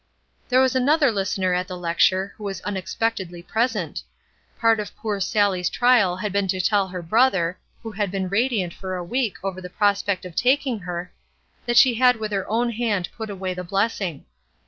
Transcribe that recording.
There was another listener at the lecture who was unexpectedly present. Part of poor Sallie's trial had been to tell her brother, who had been radiant for a week over the prospect of taking her, that she had with her own hand put away the blessing.